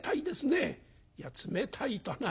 「いや冷たいとな。